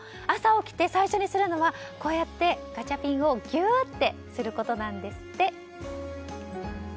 朝起きて最初にするのはこうやってガチャピンをぎゅってすることなんですって。